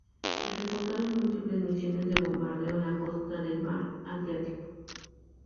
Ejecutaron múltiples misiones de bombardeo en la costa del Mar Adriático.